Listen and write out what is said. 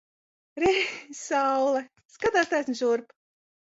Re! Saule! Skatās taisni šurp!